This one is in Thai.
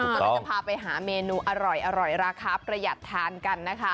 ก็จะพาไปหาเมนูอร่อยอร่อยรักครับประหยัดทานกันนะคะ